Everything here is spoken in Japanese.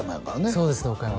そうですね岡山